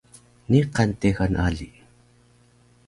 Niqan texal ali